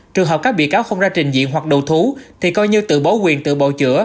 trường hợp các bị cáo không ra trình diện hoặc đồ thú thì coi như tự bố quyền tự bầu chữa